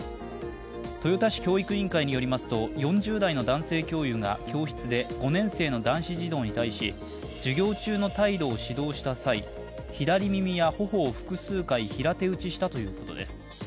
豊田市教育委員会によりますと、４０代の男性教諭が教室で５年生の男子児童に対し授業中の態度を指導した際、左耳や頬を複数回平手打ちしたということです。